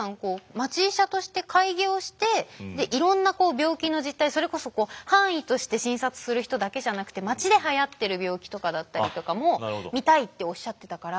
町医者として開業していろんな病気の実態それこそ藩医として診察する人だけじゃなくて町ではやってる病気とかだったりとかも見たいっておっしゃってたから。